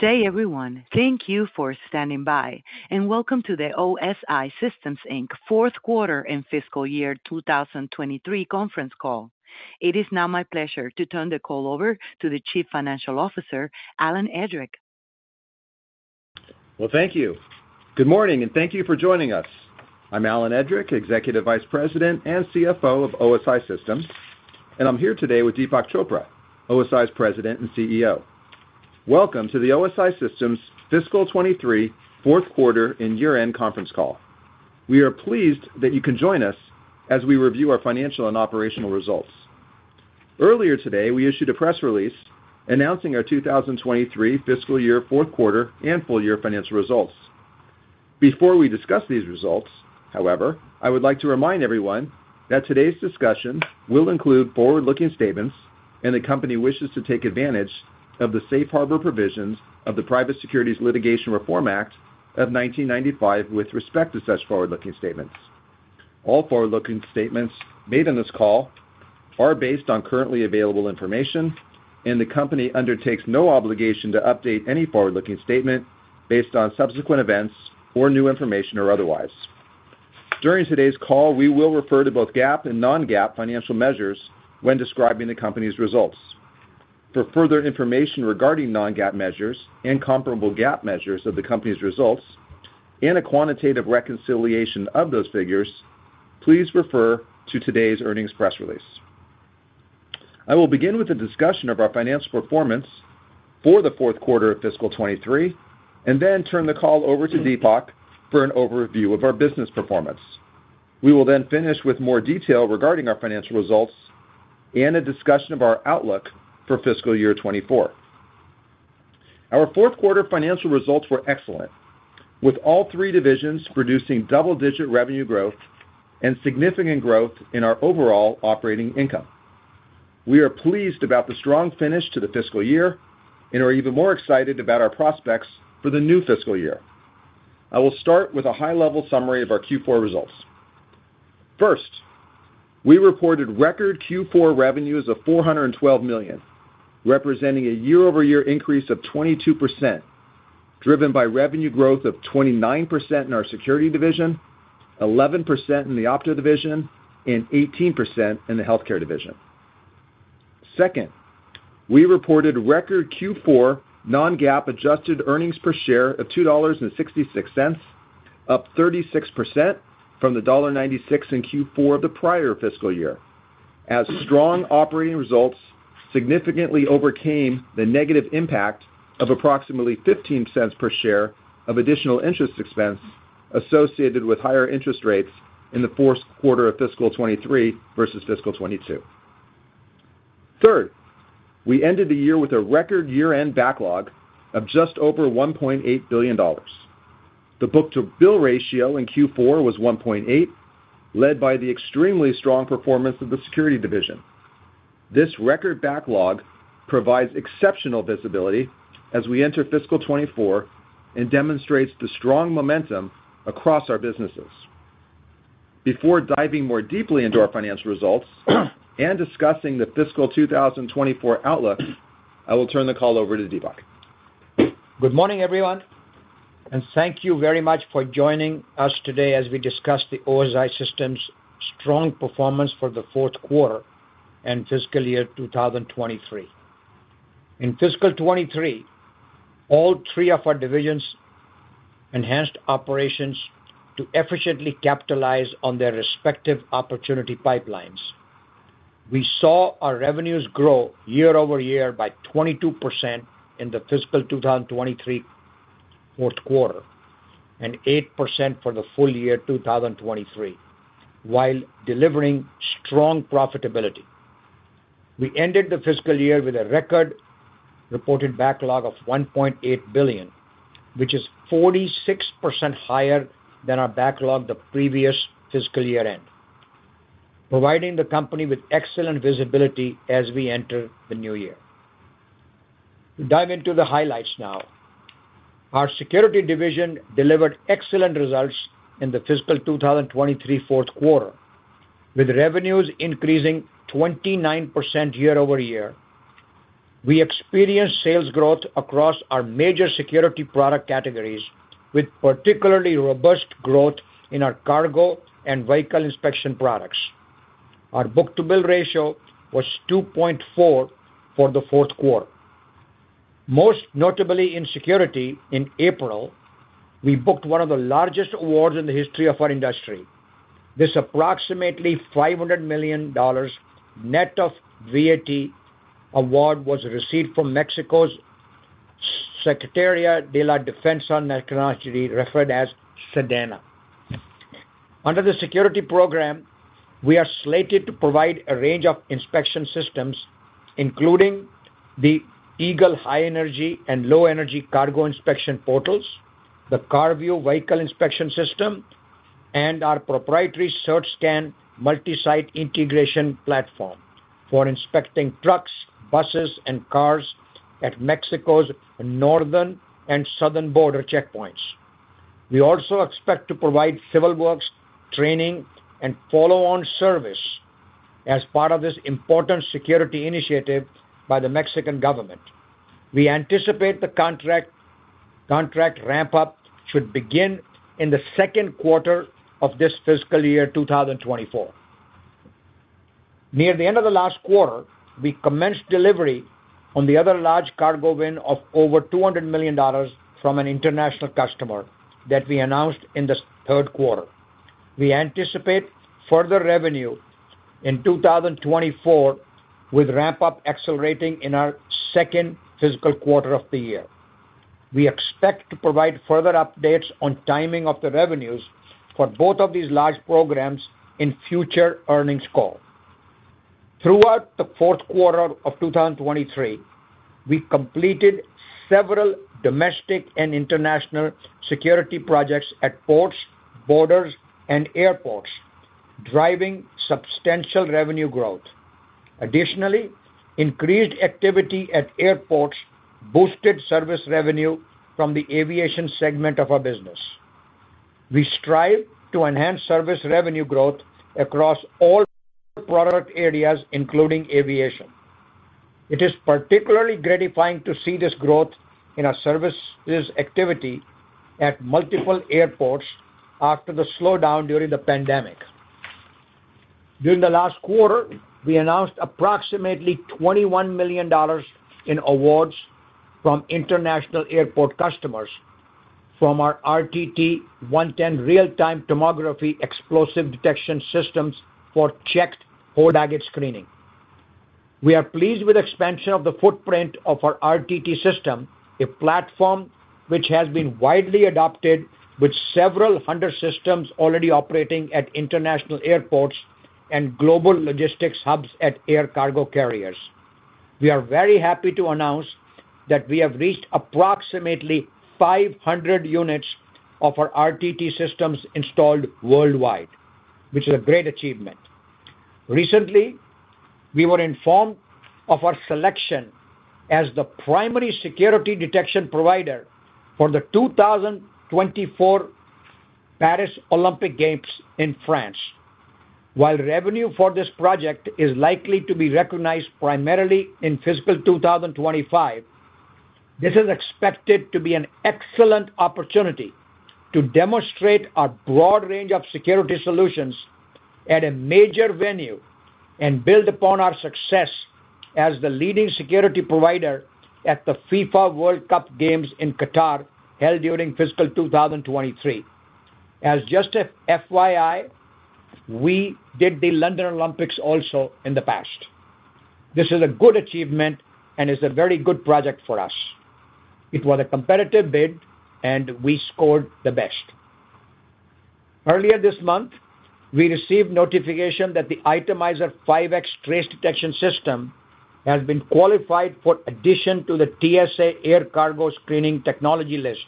Good day, everyone. Thank you for standing by, and welcome to the OSI Systems, Inc. Q4 and fiscal year 2023 Conference Call. It is now my pleasure to turn the call over to the Chief Financial Officer, Alan Edrick. Well, thank you. Good morning, and thank you for joining us. I'm Alan Edrick, Executive Vice President and CFO of OSI Systems, and I'm here today with Deepak Chopra, OSI's President and CEO. Welcome to the OSI Systems Fiscal 2023, Q4 and year-end conference call. We are pleased that you can join us as we review our financial and operational results. Earlier today, we issued a press release announcing our 2023 fiscal year, Q4, and full year financial results. Before we discuss these results, however, I would like to remind everyone that today's discussion will include forward-looking statements, and the company wishes to take advantage of the safe harbor provisions of the Private Securities Litigation Reform Act of 1995 with respect to such forward-looking statements. All forward-looking statements made on this call are based on currently available information, and the company undertakes no obligation to update any forward-looking statement based on subsequent events or new information or otherwise. During today's call, we will refer to both GAAP and non-GAAP financial measures when describing the company's results. For further information regarding non-GAAP measures and comparable GAAP measures of the company's results, and a quantitative reconciliation of those figures, please refer to today's earnings press release. I will begin with a discussion of our financial performance for the Q4 of fiscal 2023, and then turn the call over to Deepak for an overview of our business performance. We will then finish with more detail regarding our financial results and a discussion of our outlook for fiscal year 2024. Our Q4 financial results were excellent, with all three divisions producing double-digit revenue growth and significant growth in our overall operating income. We are pleased about the strong finish to the fiscal year and are even more excited about our prospects for the new fiscal year. I will start with a high-level summary of our Q4 results. First, we reported record Q4 revenues of $412 million, representing a year-over-year increase of 22%, driven by revenue growth of 29% in our Security division, 11% in the Opto division, and 18% in the Healthcare division. Second, we reported record Q4 non-GAAP adjusted earnings per share of $2.66, up 36% from the $1.96 in Q4 of the prior fiscal year. As strong operating results significantly overcame the negative impact of approximately $0.15 per share of additional interest expense associated with higher interest rates in the Q4 of fiscal 2023 versus fiscal 2022. Third, we ended the year with a record year-end backlog of just over $1.8 billion. The book-to-bill ratio in Q4 was 1.8, led by the extremely strong performance of the Security division. This record backlog provides exceptional visibility as we enter fiscal 2024 and demonstrates the strong momentum across our businesses. Before diving more deeply into our financial results and discussing the fiscal 2024 outlook, I will turn the call over to Deepak. Good morning, everyone, and thank you very much for joining us today as we discuss the OSI Systems' strong performance for the Q4 and fiscal year 2023. In fiscal 2023, all three of our divisions enhanced operations to efficiently capitalize on their respective opportunity pipelines. We saw our revenues grow year-over-year by 22% in the fiscal 2023 Q4 and 8% for the full year 2023, while delivering strong profitability. We ended the fiscal year with a record reported backlog of $1.8 billion, which is 46% higher than our backlog the previous fiscal year-end, providing the company with excellent visibility as we enter the new year. To dive into the highlights now. Our Security division delivered excellent results in the fiscal 2023 Q4, with revenues increasing 29% year-over-year. We experienced sales growth across our major security product categories, with particularly robust growth in our cargo and vehicle inspection products. Our book-to-bill ratio was 2.4 for the Q4. Most notably in security, in April, we booked one of the largest awards in the history of our industry. This approximately $500 million net of VAT award was received from Mexico's Secretaría de la Defensa Nacional, referred as SEDENA. Under the security program, we are slated to provide a range of inspection systems, including the Eagle High Energy and Low Energy Cargo Inspection Portals, the CarView Vehicle Inspection System, and our proprietary CertScan Multi-Site Integration Platform for inspecting trucks, buses, and cars at Mexico's northern and southern border checkpoints. We also expect to provide civil works, training, and follow-on service as part of this important security initiative by the Mexican government. We anticipate the contract, contract ramp-up should begin in the second quarter of this fiscal year, 2024. Near the end of the last quarter, we commenced delivery on the other large cargo win of over $200 million from an international customer that we announced in the Q3. We anticipate further revenue in 2024, with ramp-up accelerating in our second fiscal quarter of the year. We expect to provide further updates on timing of the revenues for both of these large programs in future earnings call. Throughout the Q4 of 2023, we completed several domestic and international security projects at ports, borders, and airports, driving substantial revenue growth. Additionally, increased activity at airports boosted service revenue from the aviation segment of our business. We strive to enhance service revenue growth across all product areas, including aviation. It is particularly gratifying to see this growth in our services activity at multiple airports after the slowdown during the pandemic. During the last quarter, we announced approximately $21 million in awards from international airport customers from our RTT 110 real-time tomography explosive detection systems for checked hold baggage screening. We are pleased with expansion of the footprint of our RTT system, a platform which has been widely adopted with several hundred systems already operating at international airports and global logistics hubs at air cargo carriers. We are very happy to announce that we have reached approximately 500 units of our RTT systems installed worldwide, which is a great achievement. Recently, we were informed of our selection as the primary security detection provider for the 2024 Paris Olympic Games in France. While revenue for this project is likely to be recognized primarily in fiscal 2025, this is expected to be an excellent opportunity to demonstrate our broad range of security solutions at a major venue and build upon our success as the leading security provider at the FIFA World Cup games in Qatar, held during fiscal 2023. As just an FYI, we did the London Olympics also in the past. This is a good achievement and is a very good project for us. It was a competitive bid, and we scored the best. Earlier this month, we received notification that the Itemiser 5X trace detection system has been qualified for addition to the TSA Air Cargo Screening Technology List,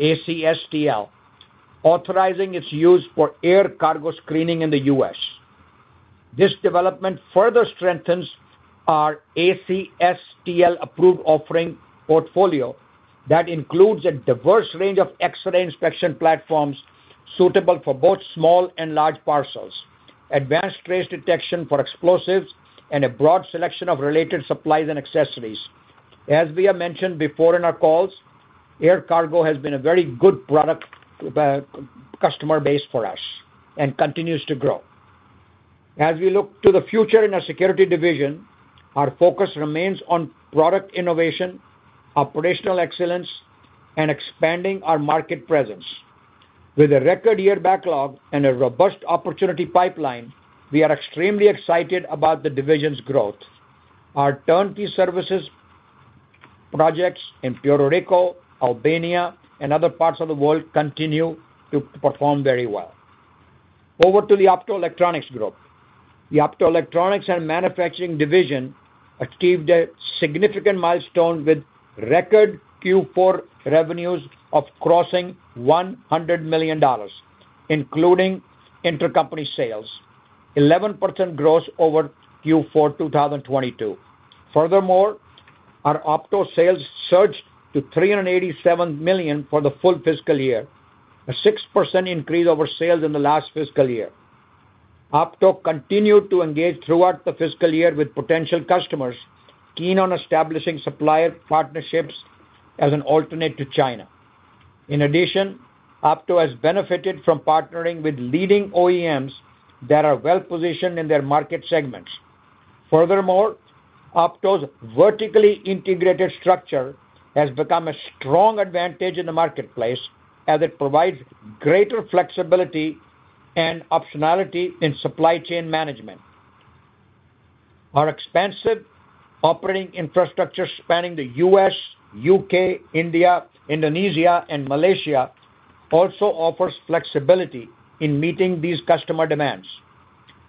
ACSTL, authorizing its use for air cargo screening in the U.S. This development further strengthens our ACSTL-approved offering portfolio. That includes a diverse range of X-ray inspection platforms suitable for both small and large parcels, advanced trace detection for explosives, and a broad selection of related supplies and accessories. As we have mentioned before in our calls, air cargo has been a very good product, customer base for us and continues to grow. As we look to the future in our Security division, our focus remains on product innovation, operational excellence, and expanding our market presence. With a record-year backlog and a robust opportunity pipeline, we are extremely excited about the division's growth. Our turnkey services projects in Puerto Rico, Albania, and other parts of the world continue to perform very well. Over to the Optoelectronics group. The Optoelectronics and Manufacturing division achieved a significant milestone with record Q4 revenues crossing $100 million, including intercompany sales, 11% growth over Q4 2022. Furthermore, our Opto sales surged to $387 million for the full fiscal year, a 6% increase over sales in the last fiscal year. Opto continued to engage throughout the fiscal year with potential customers keen on establishing supplier partnerships as an alternate to China. In addition, Opto has benefited from partnering with leading OEMs that are well-positioned in their market segments. Furthermore, Opto's vertically integrated structure has become a strong advantage in the marketplace, as it provides greater flexibility and optionality in supply chain management. Our expansive operating infrastructure, spanning the U.S., U.K., India, Indonesia, and Malaysia, also offers flexibility in meeting these customer demands.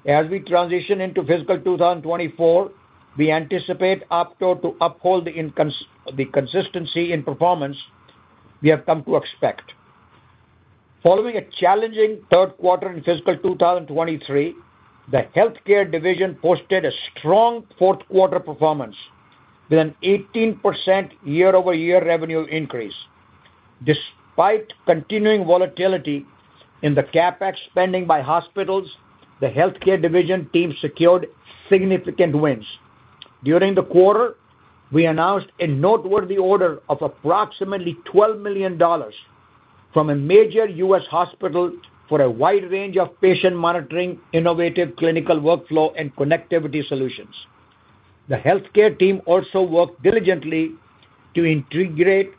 As we transition into fiscal 2024, we anticipate Opto to uphold the consistency in performance we have come to expect. Following a challenging Q3 in fiscal 2023, the Healthcare division posted a strong Q4 performance with an 18% year-over-year revenue increase. Despite continuing volatility in the CapEx spending by hospitals, the Healthcare division team secured significant wins. During the quarter, we announced a noteworthy order of approximately $12 million from a major U.S. hospital for a wide range of patient monitoring, innovative clinical workflow, and connectivity solutions. The Healthcare team also worked diligently to integrate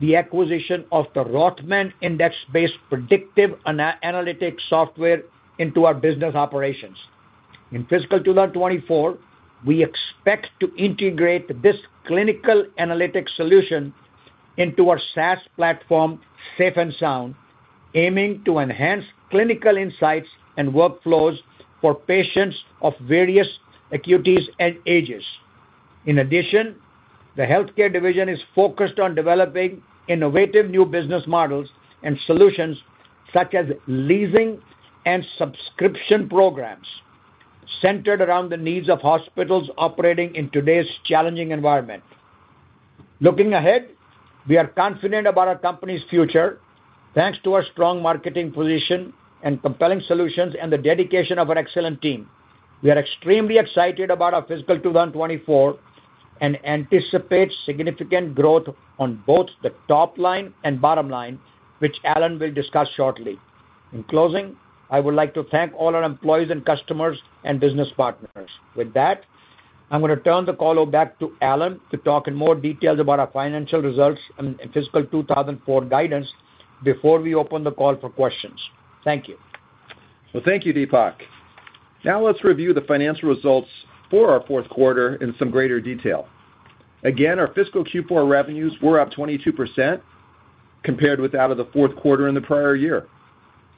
the acquisition of the Rothman Index-based predictive analytics software into our business operations. In fiscal 2024, we expect to integrate this clinical analytics solution into our SaaS platform, SafeNSound, aiming to enhance clinical insights and workflows for patients of various acuities and ages. In addition, the Healthcare division is focused on developing innovative new business models and solutions, such as leasing and subscription programs, centered around the needs of hospitals operating in today's challenging environment. Looking ahead, we are confident about our company's future, thanks to our strong marketing position and compelling solutions and the dedication of our excellent team. We are extremely excited about our fiscal 2024 and anticipate significant growth on both the top line and bottom line, which Alan will discuss shortly. In closing, I would like to thank all our employees and customers, and business partners. With that, I'm going to turn the call back to Alan to talk in more details about our financial results and fiscal 2024 guidance before we open the call for questions. Thank you. Well, thank you, Deepak. Now, let's review the financial results for our Q4 in some greater detail. Again, our fiscal Q4 revenues were up 22% compared with that of the Q4 in the prior year.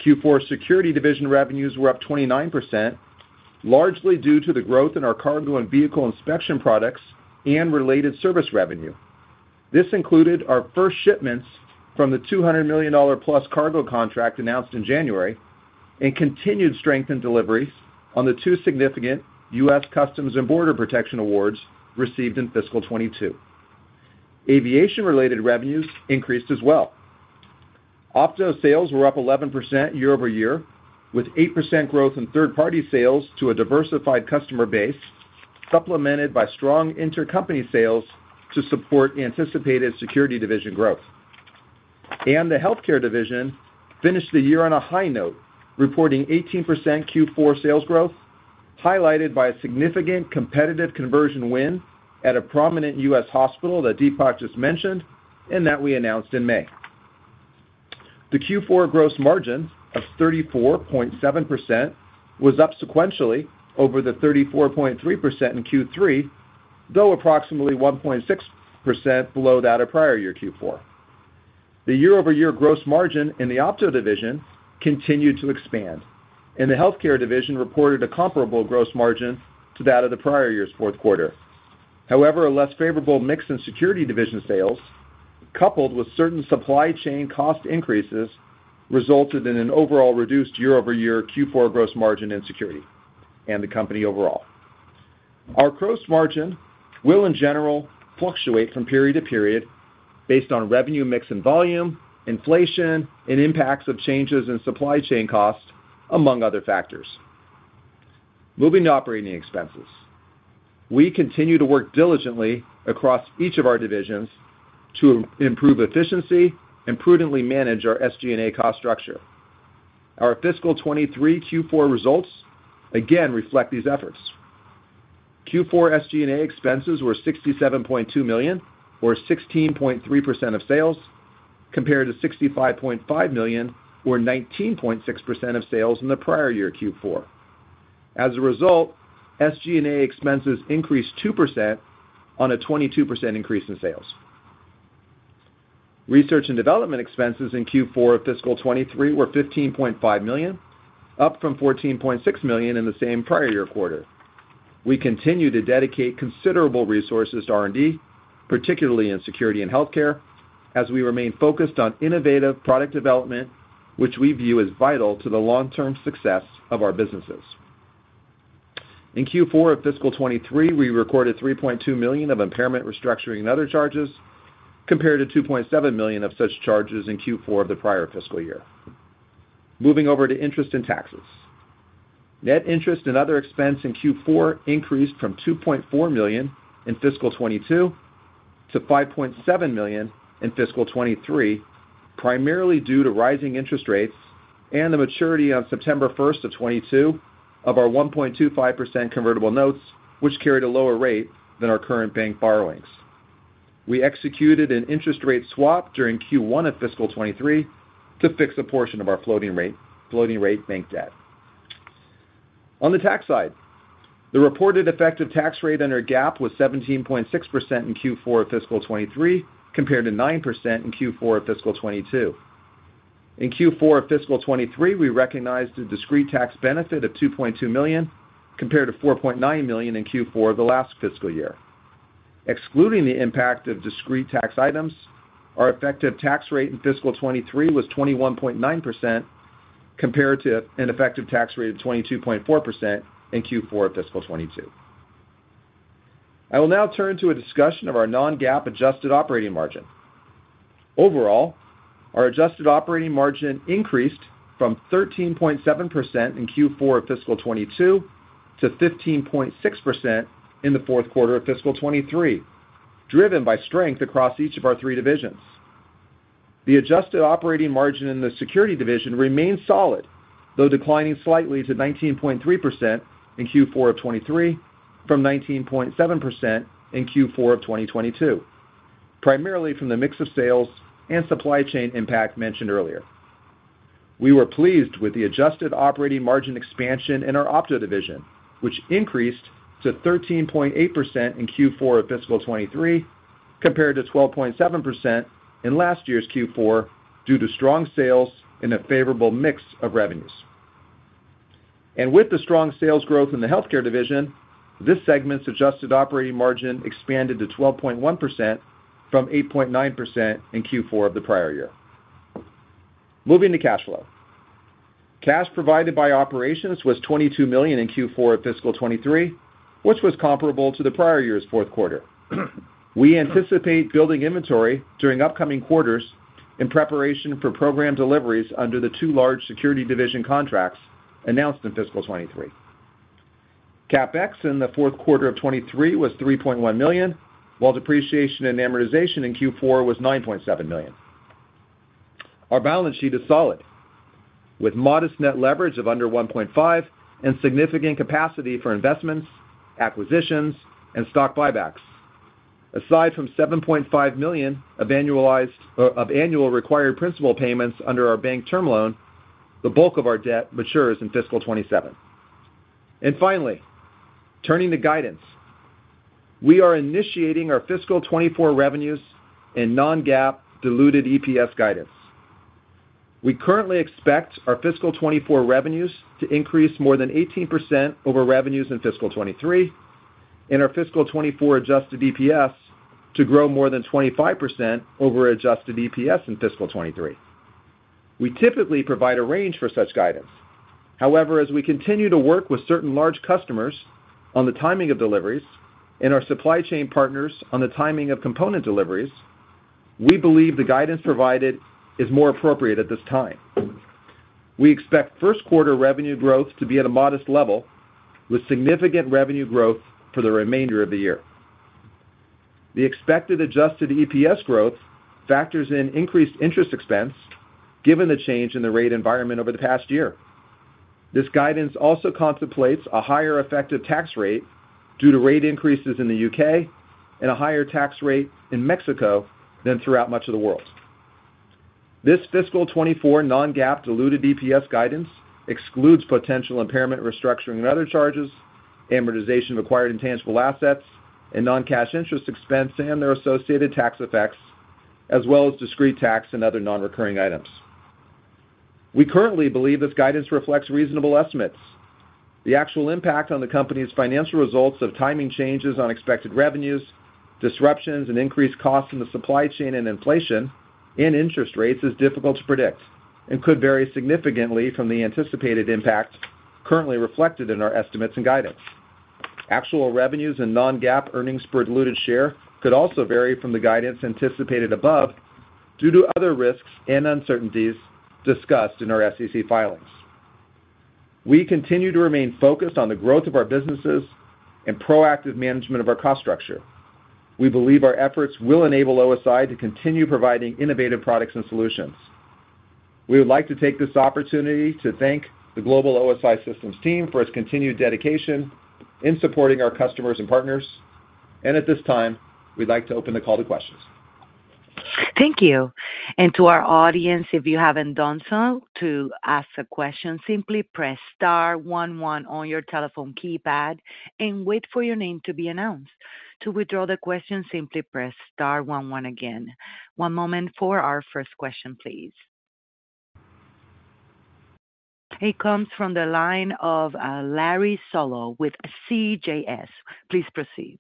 Q4 security division revenues were up 29%, largely due to the growth in our cargo and vehicle inspection products and related service revenue. This included our first shipments from the $200 million-plus cargo contract announced in January, and continued strength in deliveries on the 2 significant U.S. Customs and Border Protection awards received in fiscal 2022. Aviation-related revenues increased as well. Opto sales were up 11% year-over-year, with 8% growth in third-party sales to a diversified customer base, supplemented by strong intercompany sales to support anticipated security division growth. The healthcare division finished the year on a high note, reporting 18% Q4 sales growth, highlighted by a significant competitive conversion win at a prominent U.S. hospital that Deepak just mentioned, and that we announced in May. The Q4 gross margin of 34.7% was up sequentially over the 34.3% in Q3, though approximately 1.6% below that of prior year Q4. The year-over-year gross margin in the Opto division continued to expand, and the Healthcare division reported a comparable gross margin to that of the prior year's Q4. However, a less favorable mix in Security division sales, coupled with certain supply chain cost increases, resulted in an overall reduced year-over-year Q4 gross margin in security and the company overall. Our gross margin will, in general, fluctuate from period to period based on revenue, mix, and volume, inflation, and impacts of changes in supply chain costs, among other factors. Moving to operating expenses. We continue to work diligently across each of our divisions to improve efficiency and prudently manage our SG&A cost structure. Our fiscal 2023 Q4 results again reflect these efforts. Q4 SG&A expenses were $67.2 million, or 16.3% of sales, compared to $65.5 million, or 19.6% of sales in the prior year, Q4. As a result, SG&A expenses increased 2% on a 22% increase in sales. Research and development expenses in Q4 of fiscal 2023 were $15.5 million, up from $14.6 million in the same prior year quarter. We continue to dedicate considerable resources to R&D, particularly in security and healthcare, as we remain focused on innovative product development, which we view as vital to the long-term success of our businesses. In Q4 of fiscal 2023, we recorded $3.2 million of impairment, restructuring, and other charges, compared to $2.7 million of such charges in Q4 of the prior fiscal year. Moving over to interest and taxes. Net interest and other expense in Q4 increased from $2.4 million in fiscal 2022 to $5.7 million in fiscal 2023, primarily due to rising interest rates and the maturity on September 1, 2022 of our 1.25% convertible notes, which carried a lower rate than our current bank borrowings. We executed an interest rate swap during Q1 of fiscal 2023 to fix a portion of our floating rate, floating rate bank debt. On the tax side, the reported effective tax rate under GAAP was 17.6% in Q4 of fiscal 2023, compared to 9% in Q4 of fiscal 2022. In Q4 of fiscal 2023, we recognized a discrete tax benefit of $2.2 million, compared to $4.9 million in Q4 of the last fiscal year. Excluding the impact of discrete tax items, our effective tax rate in fiscal 2023 was 21.9%, compared to an effective tax rate of 22.4% in Q4 of fiscal 2022. I will now turn to a discussion of our non-GAAP adjusted operating margin. Overall, our adjusted operating margin increased from 13.7% in Q4 of fiscal 2022 to 15.6% in the Q4 of fiscal 2023, driven by strength across each of our three divisions. The adjusted operating margin in the Security division remained solid, though declining slightly to 19.3% in Q4 of 2023, from 19.7% in Q4 of 2022, primarily from the mix of sales and supply chain impact mentioned earlier. We were pleased with the adjusted operating margin expansion in our Opto division, which increased to 13.8% in Q4 of fiscal 2023, compared to 12.7% in last year's Q4, due to strong sales and a favorable mix of revenues. With the strong sales growth in the Healthcare division, this segment's adjusted operating margin expanded to 12.1% from 8.9% in Q4 of the prior year. Moving to cash flow. Cash provided by operations was $22 million in Q4 of fiscal 2023, which was comparable to the prior year's Q4. We anticipate building inventory during upcoming quarters in preparation for program deliveries under the two large Security division contracts announced in fiscal 2023. CapEx in the Q4 of 2023 was $3.1 million, while depreciation and amortization in Q4 was $9.7 million. Our balance sheet is solid, with modest net leverage of under 1.5 and significant capacity for investments, acquisitions, and stock buybacks. Aside from $7.5 million of annualized, of annual required principal payments under our bank term loan, the bulk of our debt matures in fiscal 2027. Finally, turning to guidance. We are initiating our fiscal 2024 revenues and non-GAAP diluted EPS guidance. We currently expect our fiscal 2024 revenues to increase more than 18% over revenues in fiscal 2023, and our fiscal 2024 adjusted EPS to grow more than 25% over adjusted EPS in fiscal 2023. We typically provide a range for such guidance. However, as we continue to work with certain large customers on the timing of deliveries and our supply chain partners on the timing of component deliveries, we believe the guidance provided is more appropriate at this time. We expect Q1 revenue growth to be at a modest level, with significant revenue growth for the remainder of the year. The expected adjusted EPS growth factors in increased interest expense, given the change in the rate environment over the past year. This guidance also contemplates a higher effective tax rate due to rate increases in the U.K. and a higher tax rate in Mexico than throughout much of the world. This fiscal 2024 Non-GAAP diluted EPS guidance excludes potential impairment, restructuring and other charges, amortization of acquired intangible assets, and non-cash interest expense and their associated tax effects, as well as discrete tax and other non-recurring items. We currently believe this guidance reflects reasonable estimates. The actual impact on the company's financial results of timing changes on expected revenues, disruptions and increased costs in the supply chain and inflation and interest rates is difficult to predict and could vary significantly from the anticipated impact currently reflected in our estimates and guidance. Actual revenues and non-GAAP earnings per diluted share could also vary from the guidance anticipated above, due to other risks and uncertainties discussed in our SEC filings. We continue to remain focused on the growth of our businesses and proactive management of our cost structure. We believe our efforts will enable OSI to continue providing innovative products and solutions. We would like to take this opportunity to thank the global OSI Systems team for its continued dedication in supporting our customers and partners. At this time, we'd like to open the call to questions. Thank you. And to our audience, if you haven't done so, to ask a question, simply press star one one on your telephone keypad and wait for your name to be announced. To withdraw the question, simply press star one one again. One moment for our first question, please. It comes from the line of Larry Solo with CJS. Please proceed.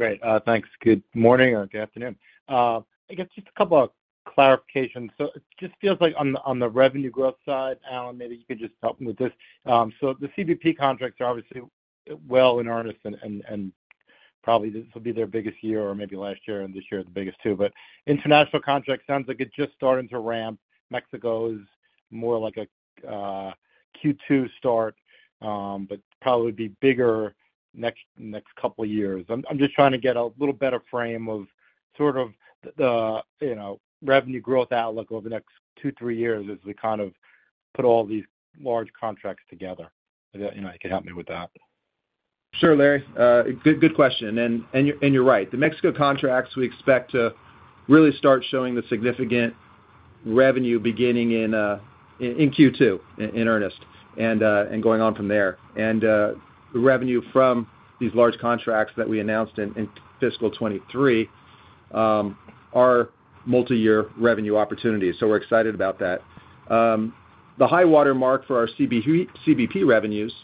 Great, thanks. Good morning or good afternoon. I guess just a couple of clarifications. So it just feels like on the revenue growth side, Alan, maybe you could just help me with this. So the CBP contracts are obviously well in earnest and probably this will be their biggest year or maybe last year, and this year is the biggest, too. But international contracts sounds like it's just starting to ramp. Mexico is more like a Q2 start, but probably be bigger next couple of years. I'm just trying to get a little better frame of sort of the, you know, revenue growth outlook over the next two, three years as we kind of put all these large contracts together. You know, if you can help me with that. Sure, Larry, good, good question. And you're right. The Mexico contracts, we expect to really start showing the significant revenue beginning in Q2 in earnest, and going on from there. And the revenue from these large contracts that we announced in fiscal 2023, are multiyear revenue opportunities, so we're excited about that. The high-water mark for our CBP revenues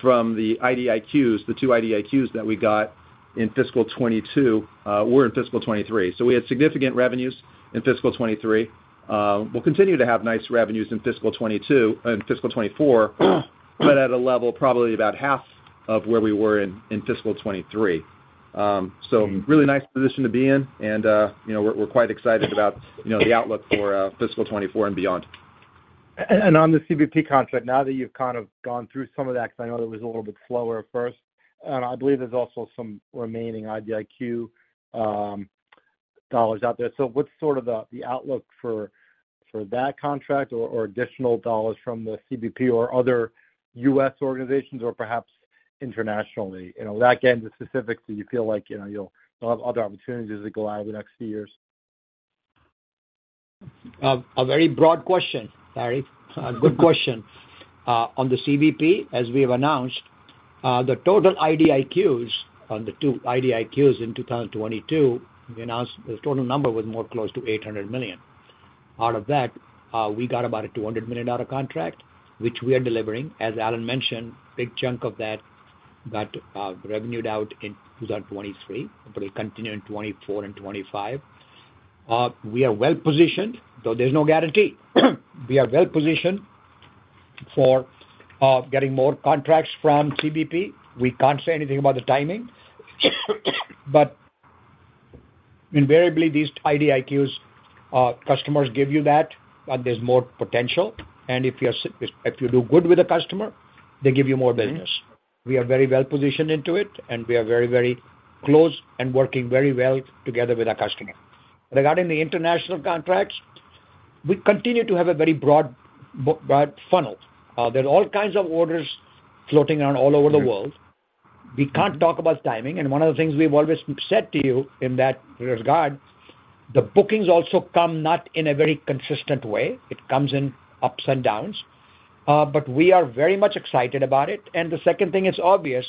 from the IDIQs, the two IDIQs that we got in fiscal 2022, were in fiscal 2023. So we had significant revenues in fiscal 2023. We'll continue to have nice revenues in fiscal 2022 - in fiscal 2024, but at a level probably about half of where we were in fiscal 2023. So really nice position to be in, and, you know, we're quite excited about, you know, the outlook for fiscal 2024 and beyond. On the CBP contract, now that you've kind of gone through some of that, because I know it was a little bit slower at first, and I believe there's also some remaining IDIQ dollars out there. So what's sort of the outlook for that contract or additional dollars from the CBP or other U.S. organizations or perhaps internationally? You know, that again, specifically, you feel like, you know, you'll have other opportunities as they go out over the next few years. A very broad question, Larry. A good question. On the CBP, as we have announced, the total IDIQs on the two IDIQs in 2022, we announced the total number was more close to $800 million. Out of that, we got about a $200 million contract, which we are delivering. As Alan mentioned, big chunk of that got, revenued out in 2023, but it continued in 2024 and 2025. We are well positioned, though there's no guarantee. We are well positioned for, getting more contracts from CBP. We can't say anything about the timing, but invariably, these IDIQs, customers give you that, but there's more potential. And if you do good with the customer, they give you more business. We are very well positioned into it, and we are very, very close and working very well together with our customer. Regarding the international contracts, we continue to have a very broad funnel. There are all kinds of orders floating around all over the world. We can't talk about timing, and one of the things we've always said to you in that regard, the bookings also come not in a very consistent way. It comes in ups and downs, but we are very much excited about it. And the second thing, it's obvious,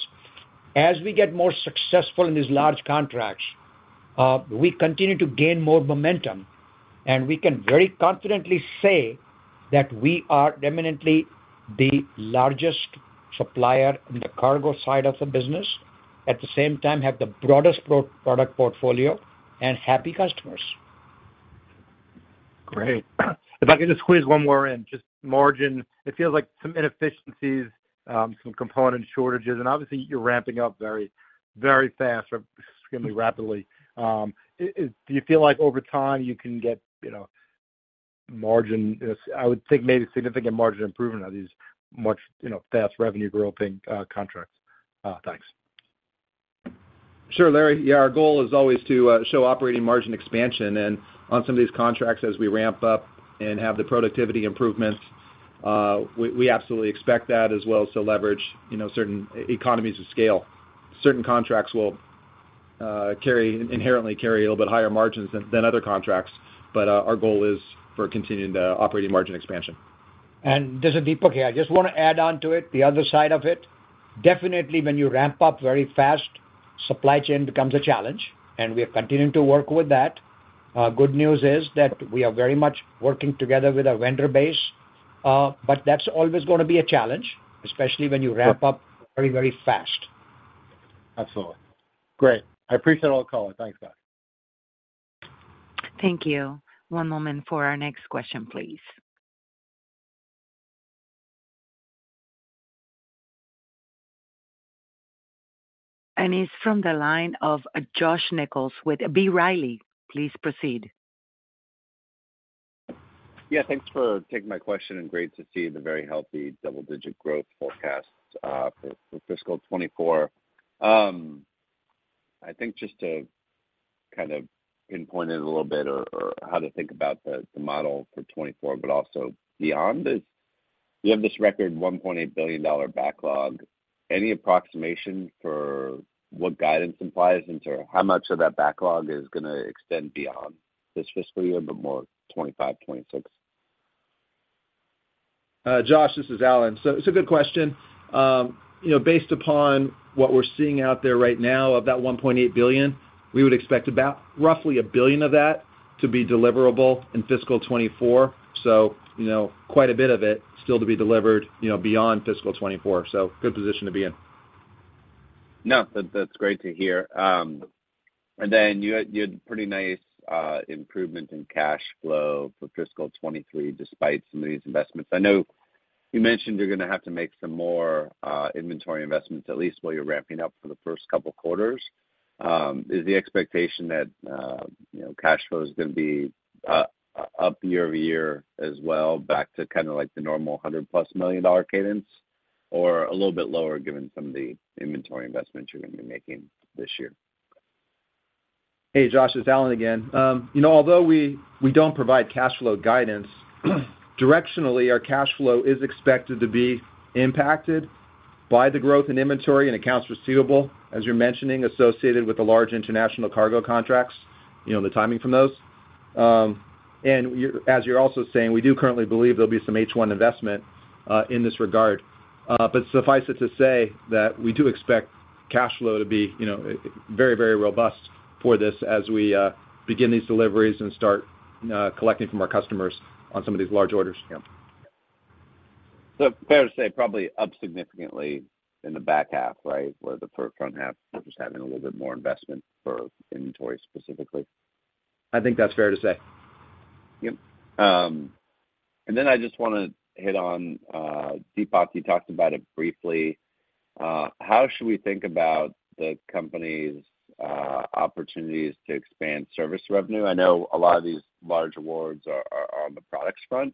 as we get more successful in these large contracts, we continue to gain more momentum, and we can very confidently say that we are eminently the largest supplier in the cargo side of the business, at the same time, have the broadest product portfolio and happy customers. Great. If I could just squeeze one more in, just margin. It feels like some inefficiencies, some component shortages, and obviously, you're ramping up very, very fast or extremely rapidly. Do you feel like over time you can get, you know, margin, I would think maybe significant margin improvement on these much, you know, fast revenue-growing contracts? Thanks. Sure, Larry. Yeah, our goal is always to show operating margin expansion, and on some of these contracts, as we ramp up and have the productivity improvements, we absolutely expect that as well. So leverage, you know, certain economies of scale. Certain contracts will inherently carry a little bit higher margins than other contracts, but our goal is for continued operating margin expansion. This is Deepak here. I just want to add on to it, the other side of it. Definitely, when you ramp up very fast, supply chain becomes a challenge, and we are continuing to work with that. Good news is that we are very much working together with our vendor base, but that's always going to be a challenge, especially when you ramp up very, very fast. Absolutely. Great. I appreciate all the calls. Thanks, guys. Thank you. One moment for our next question, please. It's from the line of Josh Nichols with B. Riley. Please proceed. Yeah, thanks for taking my question, and great to see the very healthy double-digit growth forecast for fiscal 2024. I think just to kind of pinpoint it a little bit or, or how to think about the, the model for 2024, but also beyond this. You have this record $1.8 billion backlog. Any approximation for what guidance implies into how much of that backlog is gonna extend beyond this fiscal year, but more 2025, 2026? Josh, this is Alan. It's a good question. You know, based upon what we're seeing out there right now, of that $1.8 billion, we would expect about roughly $1 billion of that to be deliverable in fiscal 2024. So, you know, quite a bit of it still to be delivered, you know, beyond fiscal 2024. So, good position to be in. No, that's great to hear. And then you had pretty nice improvement in cash flow for fiscal 2023, despite some of these investments. I know you mentioned you're gonna have to make some more inventory investments, at least while you're ramping up for the first couple quarters. Is the expectation that, you know, cash flow is gonna be up year-over-year as well, back to kind of like the normal $100+ million-dollar cadence, or a little bit lower, given some of the inventory investments you're going to be making this year? Hey, Josh, it's Alan again. You know, although we don't provide cash flow guidance, directionally, our cash flow is expected to be impacted by the growth in inventory and accounts receivable, as you're mentioning, associated with the large international cargo contracts, you know, the timing from those. And as you're also saying, we do currently believe there'll be some H1 investment in this regard. But suffice it to say that we do expect-... cash flow to be, you know, very, very robust for this as we begin these deliveries and start collecting from our customers on some of these large orders. Yeah. Fair to say, probably up significantly in the back half, right, where the first front half, we're just having a little bit more investment for inventory specifically? I think that's fair to say. Yep. And then I just want to hit on, Deepak, you talked about it briefly. How should we think about the company's opportunities to expand service revenue? I know a lot of these large awards are on the products front,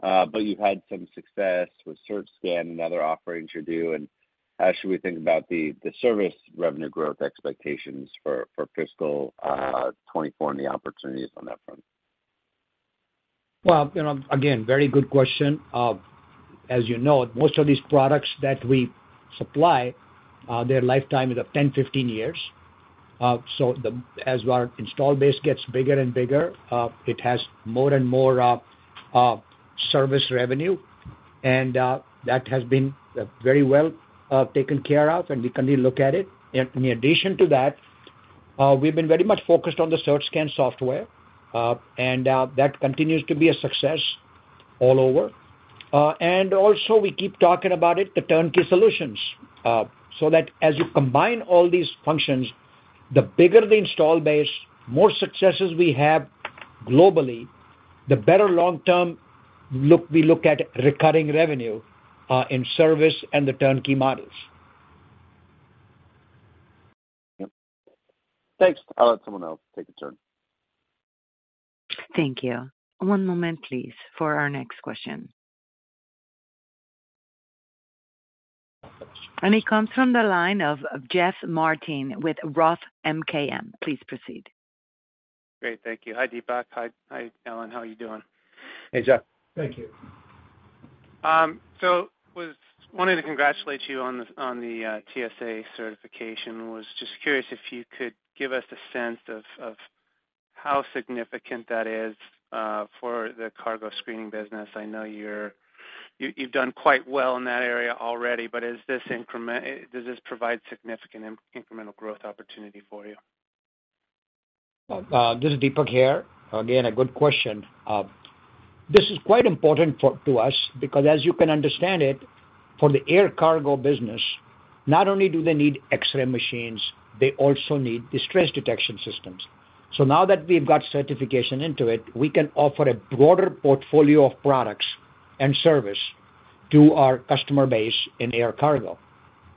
but you've had some success with CertScan and other offerings you do. And how should we think about the service revenue growth expectations for fiscal 2024 and the opportunities on that front? Well, you know, again, very good question. As you know, most of these products that we supply, their lifetime is up 10, 15 years. So as our install base gets bigger and bigger, it has more and more service revenue, and that has been very well taken care of, and we continue to look at it. In addition to that, we've been very much focused on the CertScan software, and that continues to be a success all over. And also we keep talking about it, the turnkey solutions, so that as you combine all these functions, the bigger the install base, more successes we have globally, the better long-term look- we look at recurring revenue in service and the turnkey models. Yep. Thanks. I'll let someone else take a turn. Thank you. One moment, please, for our next question. It comes from the line of Jeff Martin with Roth MKM. Please proceed. Great, thank you. Hi, Deepak. Hi, Alan. How are you doing? Hey, Jeff. Thank you. So was wanting to congratulate you on the TSA certification. Was just curious if you could give us a sense of how significant that is for the cargo screening business. I know you've done quite well in that area already, but is this increment... Does this provide significant incremental growth opportunity for you? Well, this is Deepak here. Again, a good question. This is quite important for, to us because as you can understand it, for the air cargo business, not only do they need X-ray machines, they also need the trace detection systems. So now that we've got certification into it, we can offer a broader portfolio of products and service to our customer base in air cargo,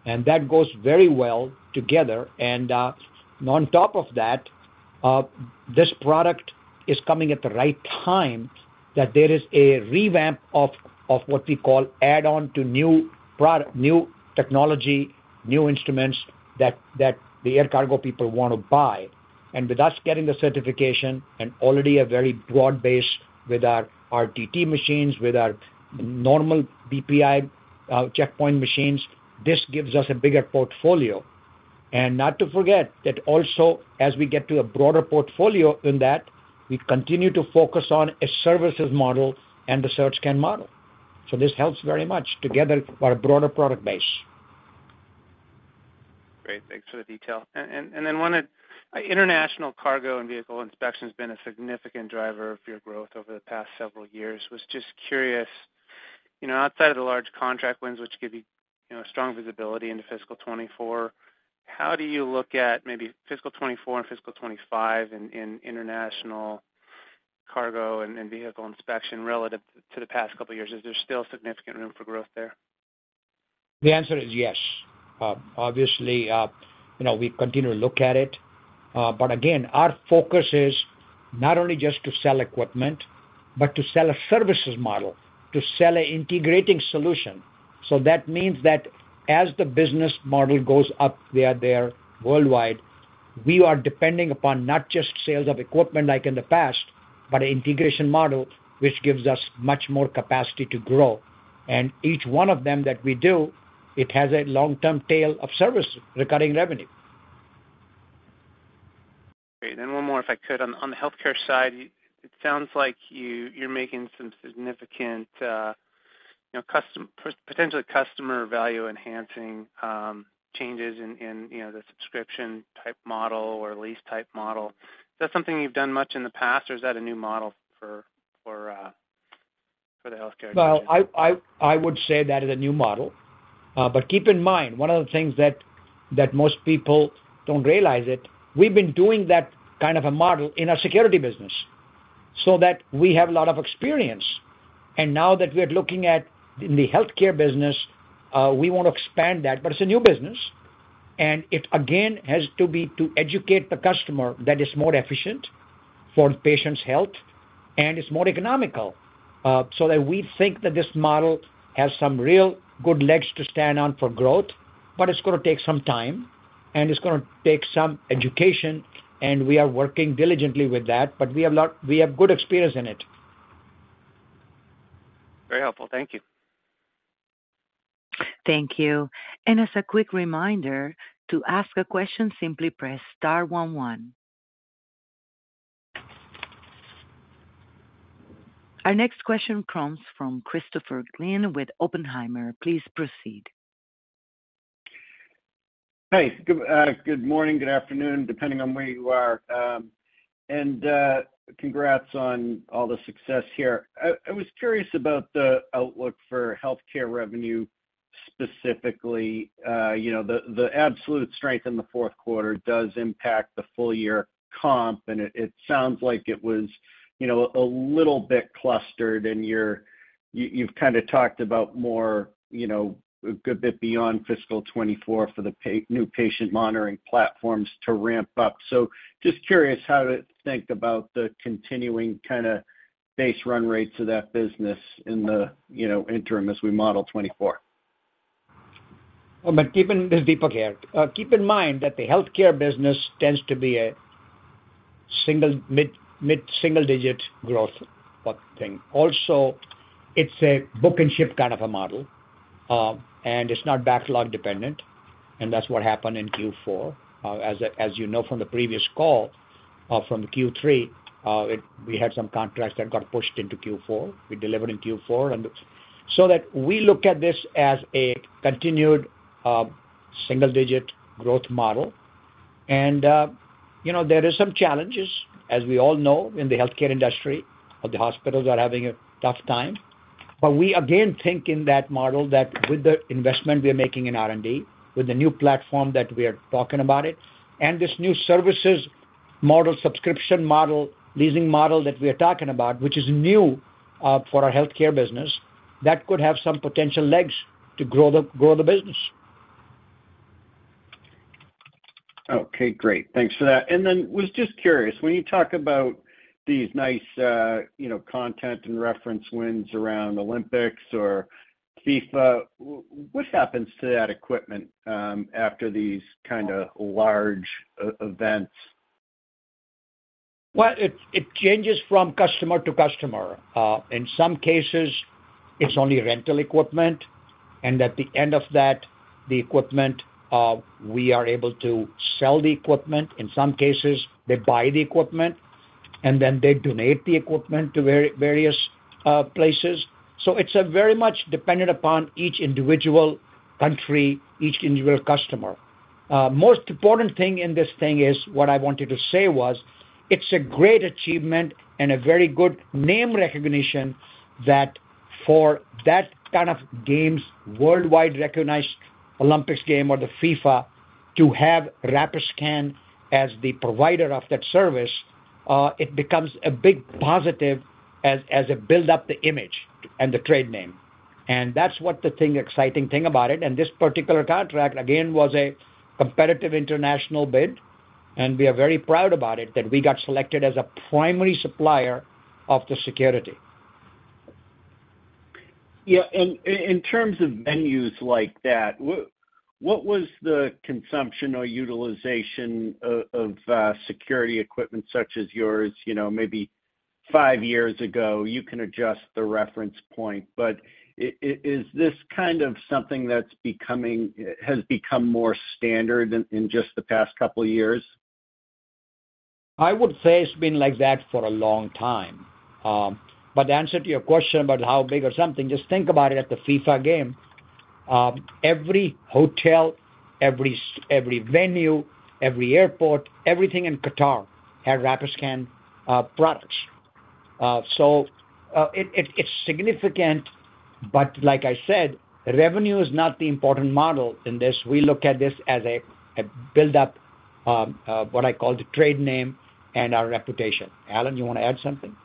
and that goes very well together. And, on top of that, this product is coming at the right time, that there is a revamp of, of what we call add-on to new product, new technology, new instruments that, that the air cargo people want to buy. And with us getting the certification and already a very broad base with our RTT machines, with our normal BPI, checkpoint machines, this gives us a bigger portfolio. Not to forget that also, as we get to a broader portfolio in that, we continue to focus on a services model and the CertScan model. This helps very much together for a broader product base. Great, thanks for the detail. And, and then wanted, international cargo and vehicle inspection has been a significant driver for your growth over the past several years. Was just curious, you know, outside of the large contract wins, which give you, you know, strong visibility into fiscal 2024, how do you look at maybe fiscal 2024 and fiscal 2025 in, in international cargo and, and vehicle inspection relative to the past couple of years? Is there still significant room for growth there? The answer is yes. Obviously, you know, we continue to look at it, but again, our focus is not only just to sell equipment, but to sell a services model, to sell an integrating solution. So that means that as the business model goes up there, there worldwide, we are depending upon not just sales of equipment like in the past, but an integration model which gives us much more capacity to grow. And each one of them that we do, it has a long-term tail of service, recurring revenue. Great. Then one more, if I could. On the healthcare side, it sounds like you're making some significant, you know, custom- potentially customer value enhancing, changes in, you know, the subscription type model or lease type model. Is that something you've done much in the past, or is that a new model for the healthcare? Well, I would say that is a new model. But keep in mind, one of the things that most people don't realize it, we've been doing that kind of a model in our security business so that we have a lot of experience. And now that we are looking at in the healthcare business, we want to expand that. But it's a new business, and it, again, has to be to educate the customer that it's more efficient for the patient's health and it's more economical. So that we think that this model has some real good legs to stand on for growth, but it's going to take some time, and it's going to take some education, and we are working diligently with that, but we have good experience in it. Very helpful. Thank you. Thank you. And as a quick reminder, to ask a question, simply press star one, one.... Our next question comes from Christopher Glynn with Oppenheimer. Please proceed. Hey, good morning, good afternoon, depending on where you are. Congrats on all the success here. I was curious about the outlook for healthcare revenue specifically. You know, the absolute strength in the Q4 does impact the full year comp, and it sounds like it was, you know, a little bit clustered, and you've kind of talked about more, you know, a good bit beyond fiscal 2024 for the new patient monitoring platforms to ramp up. So just curious how to think about the continuing kind of base run rates of that business in the interim, you know, as we model 2024. Well, but keep in, this is Deepak here. Keep in mind that the healthcare business tends to be a single mid, mid-single-digit growth thing. Also, it's a book and ship kind of a model, and it's not backlog dependent, and that's what happened in Q4. As you know from the previous call, from the Q3, we had some contracts that got pushed into Q4. We delivered in Q4, and so that we look at this as a continued single-digit growth model. And you know, there are some challenges, as we all know, in the healthcare industry, the hospitals are having a tough time. But we again think in that model that with the investment we are making in R&D, with the new platform that we are talking about it, and this new services model, subscription model, leasing model that we are talking about, which is new for our healthcare business, that could have some potential legs to grow the, grow the business. Okay, great. Thanks for that. And then was just curious, when you talk about these nice, you know, content and reference wins around Olympics or FIFA, what happens to that equipment after these kind of large events? Well, it changes from customer to customer. In some cases it's only rental equipment, and at the end of that, the equipment, we are able to sell the equipment. In some cases, they buy the equipment, and then they donate the equipment to various places. So it's very much dependent upon each individual country, each individual customer. Most important thing in this thing is, what I wanted to say was, it's a great achievement and a very good name recognition that for that kind of games, worldwide recognized Olympics game or the FIFA, to have Rapiscan as the provider of that service, it becomes a big positive as it build up the image and the trade name. And that's what the thing, exciting thing about it. This particular contract again was a competitive international bid, and we are very proud about it that we got selected as a primary supplier of the security. Yeah, and in terms of venues like that, what was the consumption or utilization of security equipment such as yours, you know, maybe five years ago? You can adjust the reference point, but is this kind of something that's becoming, has become more standard in just the past couple of years? I would say it's been like that for a long time. But the answer to your question about how big or something, just think about it, at the FIFA game, every hotel, every venue, every airport, everything in Qatar had Rapiscan products. So, it, it's significant, but like I said, revenue is not the important model in this. We look at this as a build-up, what I call the trade name and our reputation. Alan, you want to add something?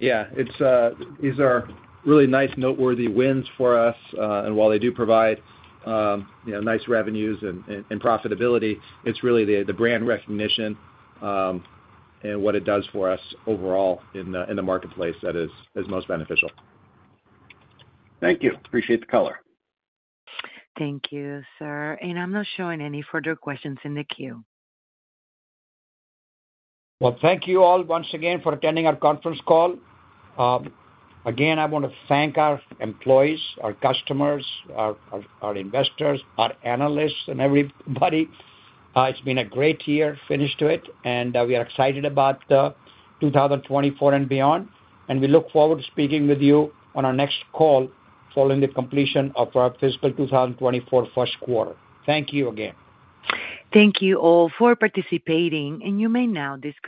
Yeah, it's these are really nice, noteworthy wins for us, and while they do provide, you know, nice revenues and, and, and profitability, it's really the, the brand recognition, and what it does for us overall in the, in the marketplace that is, is most beneficial. Thank you. Appreciate the color. Thank you, sir. I'm not showing any further questions in the queue. Well, thank you all once again for attending our conference call. Again, I want to thank our employees, our customers, our investors, our analysts, and everybody. It's been a great year, finish to it, and we are excited about 2024 and beyond. And we look forward to speaking with you on our next call, following the completion of our fiscal 2024 Q1. Thank you again. Thank you all for participating, and you may now disconnect.